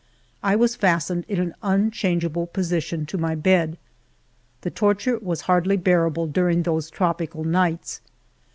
I was fastened in an unchangeable position to my bed. The torture was hardly bearable during those trop ical nights.